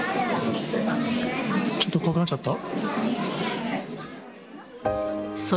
ちょっと怖くなっちゃった？